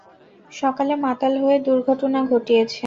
সকালে মাতাল হয়ে দুর্ঘটনা ঘটিয়েছে।